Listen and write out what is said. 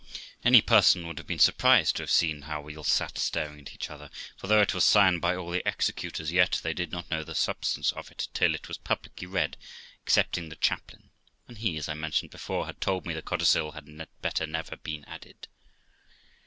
Any person would have been surprised to have seen how we all sat staring at each other; for, though it was signed by all the executors, yet they did not know tlie substance of it till it was publicly read, excepting the chaplain; and he, as I mentioned before, had told me the codicil had better never have been added.